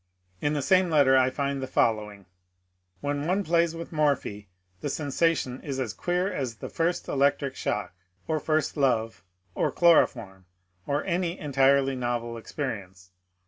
In the same letter I find the following :— When one plays with Morphy the sensation is as queer as the first electric shock, or first love, or chloroform, or any entirely novel experience.